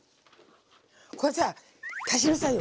これさぁ足しなさいよ